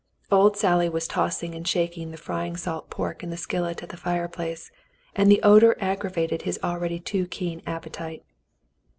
Old Sally was tossing and shaking the frying salt pork in the skillet at the fireplace, and the odor aggravated his already too keen appetite.